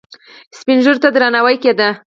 سپین ږیرو ته درناوی کیده